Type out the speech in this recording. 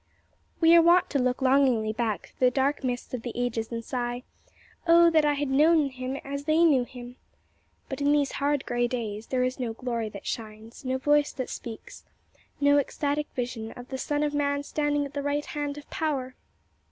We are wont to look longingly back through the dark mists of the ages and sigh, "Oh, that I had known Him as they knew Him! But in these hard, grey days there is no glory that shines, no voice that speaks, no ecstatic vision of the Son of Man standing at the right hand of power."